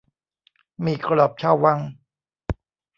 หมี่กรอบชาววัง